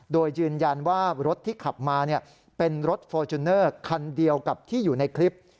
โดยยืนยันว่ารถที่ขับมาเป็นรถฟอร์จูเนอร์คันเดียวกับที่อยู่ในคลิป